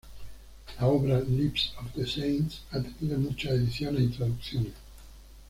La obra "Lives of the Saints" ha tenido muchas ediciones y traducciones.